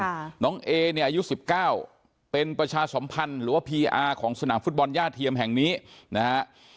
น้องเอเนี่ยอายุสิบเก้าเป็นประชาสมพันธ์หรือว่าพีอาร์ของสนามฟุตบอลย่าเทียมแห่งนี้นะฮะ